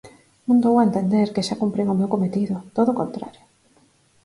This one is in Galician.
Non dou a entender que xa cumprín o meu cometido; todo o contrario.